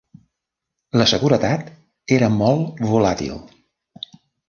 La seguretat era molt volàtil.